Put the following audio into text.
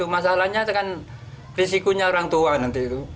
masalahnya risikonya orang tua nanti